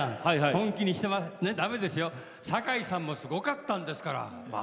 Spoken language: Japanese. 本気にしてます？だめですよ、堺さんもすごかったんですから。